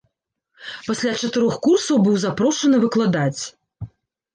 Пасля чатырох курсаў быў запрошаны выкладаць.